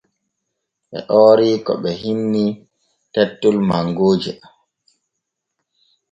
Ɓe oori ko ɓee kinni tettol mangooje.